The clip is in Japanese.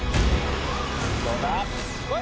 どうだ？